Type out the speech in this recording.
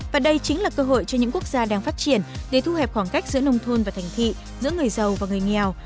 và đây chính là cơ hội cho những quốc gia đang phát triển để thu hẹp khoảng cách giữa nông thôn và thành thị giữa người giàu và người nghèo